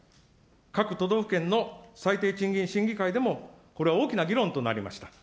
各都道府県の最低賃金審議会でもこれは大きな議論となりました。